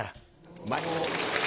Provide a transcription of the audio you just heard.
うまい。